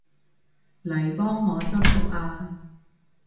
嚟幫我執屋吖